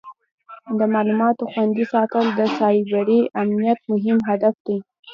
د معلوماتو خوندي ساتل د سایبري امنیت مهم هدف دی.